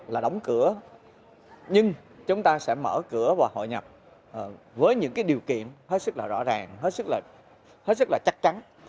là đóng cửa nhưng chúng ta sẽ mở cửa và hội nhập với những điều kiện hết sức rõ ràng hết sức là chắc chắn